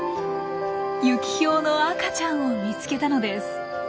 ユキヒョウの赤ちゃんを見つけたのです。